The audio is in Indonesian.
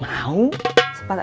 masak apa buat buka